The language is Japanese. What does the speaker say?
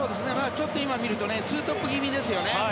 ちょっと今、見ると２トップ気味ですよね。